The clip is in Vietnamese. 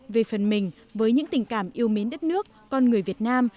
về phần mình với những tình cảm yêu mến đất nước con người việt nam